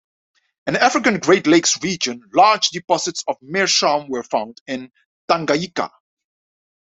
In the African Great Lakes region, large deposits of meerschaum were found in Tanganyika.